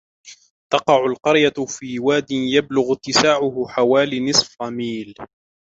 تقع القرية في وادٍ يبلغ اتساعه حوالي نصف ميل.